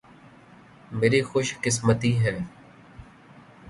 میری خوش قسمتی ہے۔